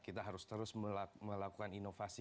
kita harus terus melakukan inovasi